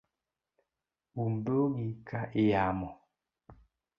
Umdhogi ka iyamo